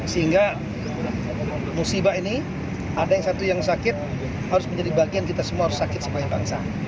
sehingga musibah ini ada yang satu yang sakit harus menjadi bagian kita semua harus sakit supaya bangsa